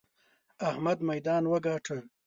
احمد ميدان وګاټه!